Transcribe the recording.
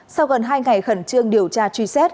sau gần hai ngày khẩn trương điều tra truy xét